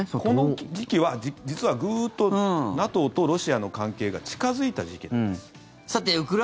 この時期は、実はグーッとＮＡＴＯとロシアの関係が近付いた時期なんです。